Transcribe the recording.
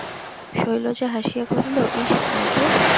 শৈলজা হাসিয়া কহিল, ইস, তাই তো!